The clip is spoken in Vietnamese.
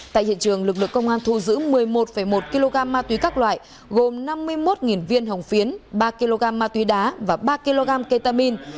tại hiện trường lực lượng công an thu giữ một mươi một một kg ma túy các loại gồm năm mươi một viên hồng phiến ba kg ma túy đá và ba kg ketamin